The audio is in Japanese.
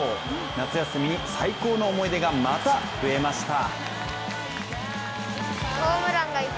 夏休みに最高の思い出がまた増えました。